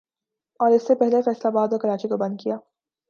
اور اس سے پہلے فیصل آباد اور کراچی کو بند کیا